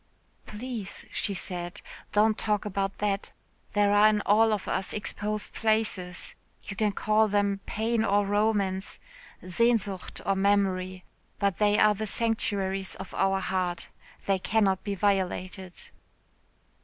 "Please," she said, "don't talk about that. There are in all of us exposed places you can call them pain or romance Sehnsucht or memory but they are the sanctuaries of our hearts they cannot be violated."